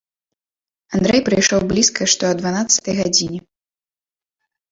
Андрэй прыйшоў блізка што а дванаццатай гадзіне.